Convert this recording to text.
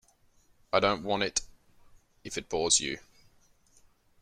I don't want to if it bores you.